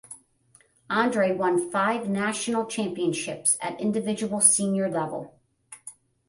Andrei won five national championships at individual senior level.